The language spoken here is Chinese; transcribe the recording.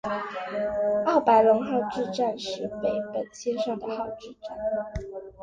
奥白泷号志站石北本线上的号志站。